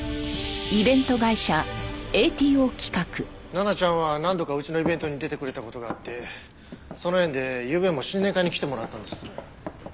奈々ちゃんは何度かうちのイベントに出てくれた事があってその縁でゆうべも新年会に来てもらったんです。